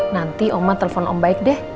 nanti oma telpon om baik deh